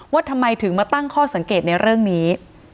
ว่าทำไมถึงมาตั้งข้อสังเกตในเรื่องนี้